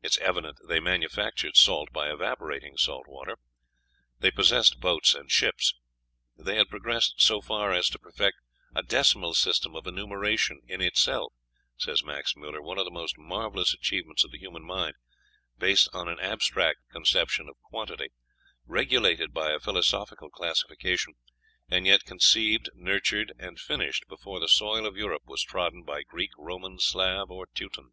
It is evident they manufactured salt by evaporating salt water. They possessed boats and ships. They had progressed so far as to perfect "a decimal system of enumeration, in itself," says Max Müller, "one of the most marvellous achievements of the human mind, based on an abstract conception of quantity, regulated by a philosophical classification, and yet conceived, nurtured, and finished before the soil of Europe was trodden by Greek, Roman, Slav, or Teuton."